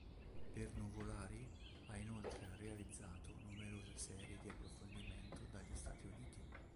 Per Nuvolari ha inoltre realizzato numerose serie di approfondimento dagli Stati Uniti.